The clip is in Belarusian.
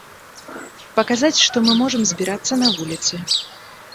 Паказаць, што мы можам збірацца на вуліцы.